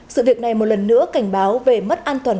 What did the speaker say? sự việc này một lần nữa cảnh báo về mất an toàn